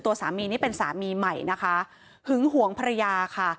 ตัวสามีนี่เป็นสามีใหม่นะคะหึงหวงภรรยาค่ะ